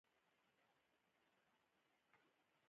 هېڅوک د پټ استعداد او توان ستاینه نه کوي.